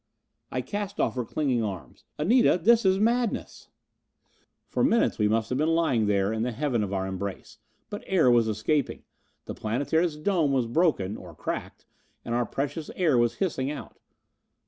I cast off her clinging arms. "Anita, this is madness!" For minutes we must have been lying there in the heaven of our embrace. But air was escaping! The Planetara's dome was broken or cracked and our precious air was hissing out.